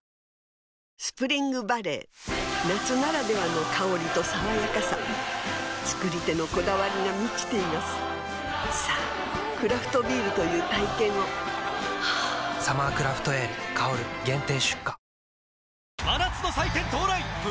スプリングバレー夏ならではの香りと爽やかさ造り手のこだわりが満ちていますさぁクラフトビールという体験を「サマークラフトエール香」限定出荷